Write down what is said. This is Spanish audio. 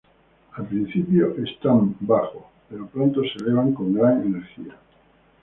Al principio es bajo, pero pronto se elevan con gran energía.